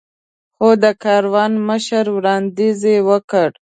خو د کاروان مشر وړاندیز وکړ.